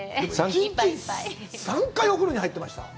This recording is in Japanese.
１日３回お風呂に入ってました？